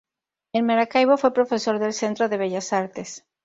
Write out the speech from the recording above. En Maracaibo fue profesor del Centro de Bellas Artes.